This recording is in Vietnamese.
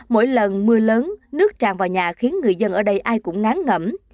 mỗi lần mưa lớn nước tràn vào nhà khiến người dân ở đây ai cũng ngán ngẩm